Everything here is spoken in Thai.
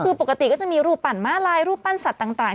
คือปกติก็จะมีรูปปั่นม้าลายรูปปั้นสัตว์ต่าง